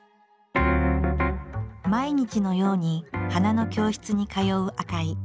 毎日のように花の教室に通う赤井。